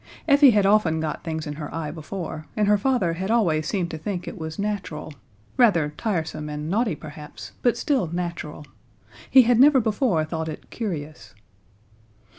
Effie had often got things in her eye before, and her father had always seemed to think it was natural rather tiresome and naughty perhaps, but still natural. He had never before thought it curious.